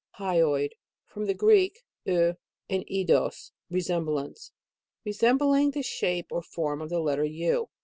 HYOID. From the Greek, u, and eidos, lesemblance. Resembling the shape or form of the letter U.